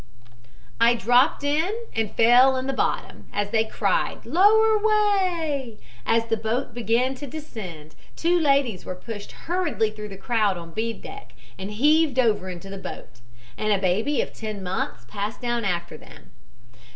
"I dropped in, and fell in the bottom, as they cried 'lower away.' As the boat began to descend two ladies were pushed hurriedly through the crowd on B deck and heaved over into the boat, and a baby of ten months passed down after them.